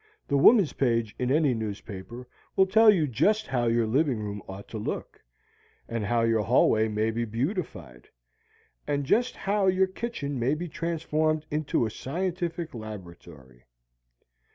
The Woman's Page in any newspaper will tell you just how your living room ought to look, just how your hallway may be beautified, and just how your kitchen may be transformed into a scientific laboratory.